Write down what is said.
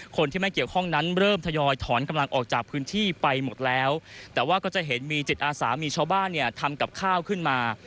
คนที่ไม่เกี่ยวข้องนั้นเริ่มทยอยถอนกำลังออกจากพื้นที่ไปหมดแล้วแต่ว่าก็จะเห็นมีจิตอาสามีชาวบ้านเนี่ยทำกับข้าวขึ้นมา